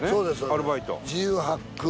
アルバイト。